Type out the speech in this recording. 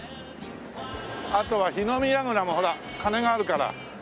あとは火の見櫓もほら鐘があるから。